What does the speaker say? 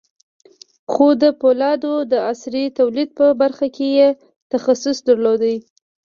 خو د پولادو د عصري تولید په برخه کې یې تخصص درلود